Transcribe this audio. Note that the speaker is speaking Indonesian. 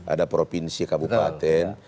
ada provinsi kabupaten